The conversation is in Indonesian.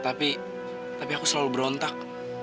tapi tapi aku selalu berontak